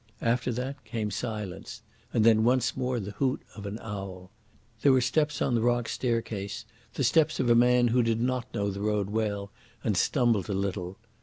After that came silence, and then once more the hoot of an owl. There were steps on the rock staircase, the steps of a man who did not know the road well and stumbled a little.